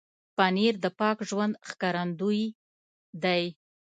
پنېر د پاک ژوند ښکارندوی دی.